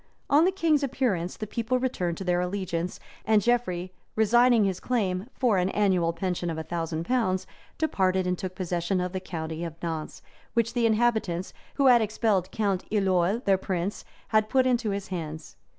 On the king's appearance, the people returned to their allegiance; and Geoffrey, resigning his claim for an annual pension of a thousand pounds, departed and took possession of the county of Nantz, which the inhabitants, who had expelled Count Iloel, their prince, had put into his hands.